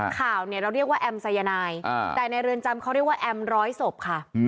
ข่าวเนี่ยเราเรียกว่าแอมสายนายแต่ในเรือนจำเขาเรียกว่าแอมร้อยศพค่ะ